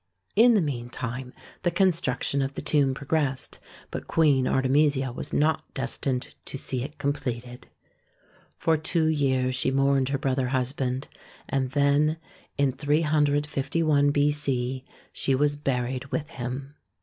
In the meantime the construction of the tomb progressed, but Queen Artemisia was not destined to see it completed. For two years she mourned 136 THE SEYEN WONDERS her brother husband, and then, in 351 B.C., she was buried with him.